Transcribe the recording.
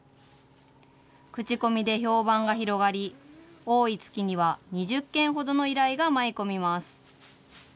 口コミで評判が広がり、多い月には２０件ほどの依頼が舞い込みます。